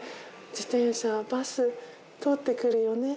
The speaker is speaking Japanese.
自転車バス通って来るよね。